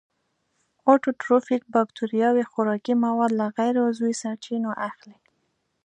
اټوټروفیک باکتریاوې خوراکي مواد له غیر عضوي سرچینو اخلي.